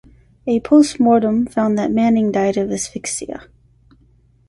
A postmortem found that Manning died of asphyxia.